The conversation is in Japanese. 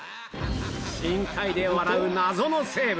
深海で笑う謎の生物